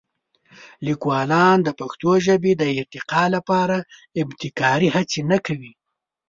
لیکوالان د پښتو ژبې د ارتقا لپاره ابتکاري هڅې نه کوي.